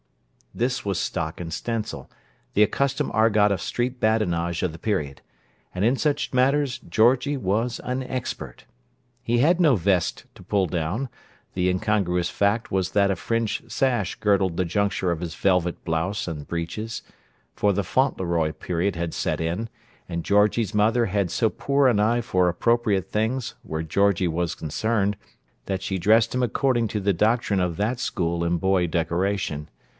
This was stock and stencil: the accustomed argot of street badinage of the period; and in such matters Georgie was an expert. He had no vest to pull down; the incongruous fact was that a fringed sash girdled the juncture of his velvet blouse and breeches, for the Fauntleroy period had set in, and Georgie's mother had so poor an eye for appropriate things, where Georgie was concerned, that she dressed him according to the doctrine of that school in boy decoration.